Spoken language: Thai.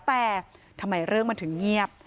แต่ทำไมเรื่องมันถึงเงียบ